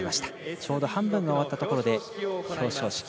ちょうど半分が終わったところで表彰式。